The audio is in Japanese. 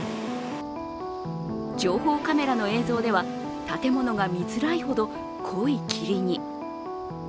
情報カメラの映像では、建物が見づらいほど濃い霧に。